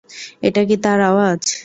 এটা কি তার আওয়াজ?